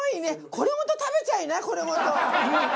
これごと食べちゃいなこれごと。